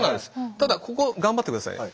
ただここ頑張って下さい。